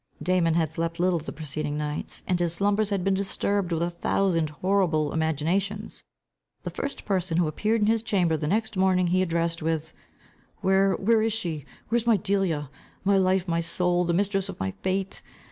Damon had slept little the preceding night, and his slumbers had been disturbed with a thousand horrible imaginations. The first person who appeared in his chamber the next morning he addressed with "Where, where is she? Where is my Delia? My life, my soul, the mistress of my fate?